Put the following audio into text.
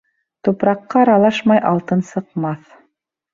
Тупраҡҡа аралашмай алтын сыҡмаҫ.